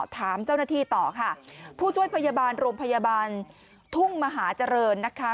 ถามเจ้าหน้าที่ต่อค่ะผู้ช่วยพยาบาลโรงพยาบาลทุ่งมหาเจริญนะคะ